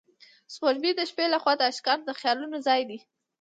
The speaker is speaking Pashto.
سپوږمۍ د شپې له خوا د عاشقانو د خیالونو ځای دی